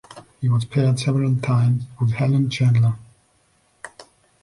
He was paired several times with Helen Chandler.